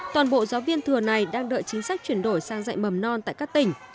toàn bộ giáo viên thừa này đang đợi chính sách chuyển đổi sang dạy mầm non tại các tỉnh